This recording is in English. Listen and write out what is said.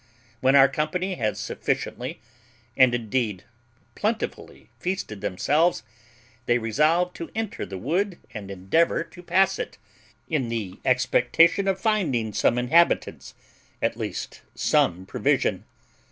When our company had sufficiently, and indeed very plentifully feasted themselves, they resolved to enter the wood and endeavour to pass it, in expectation of finding some inhabitants, at least some provision.